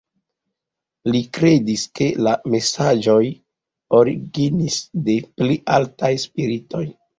Li kredis, ke la mesaĝoj originis de pli altaj spiritoj.